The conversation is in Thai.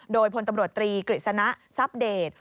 โดยพลตำรวจตรีกฤษณะทรัพเดต